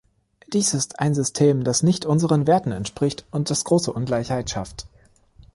Dies ist ein System, das nicht unseren Werten entspricht und das große Ungleichheit schafft.